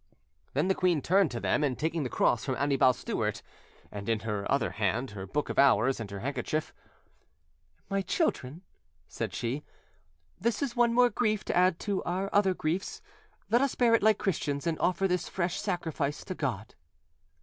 Then the queen turned to them, and taking the cross from Annibal Stewart, and in her other hand her book of Hours and her handkerchief, "My children," said she, "this is one more grief to add to our other griefs; let us bear it like Christians, and offer this fresh sacrifice to God."